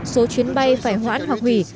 số chuyến bay phải hoãn hoặc hủy